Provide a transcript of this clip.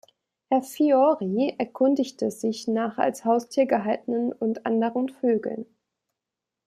Herr Fiori erkundigte sich nach als Haustier gehaltenen und anderen Vögeln.